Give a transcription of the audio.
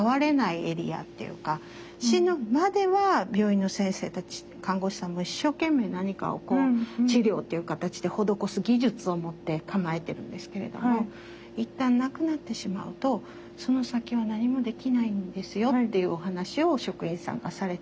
死ぬまでは病院の先生たち看護師さんも一生懸命何かをこう治療っていう形で施す技術を持って構えてるんですけれどもいったん亡くなってしまうとその先は何もできないんですよっていうお話を職員さんがされて。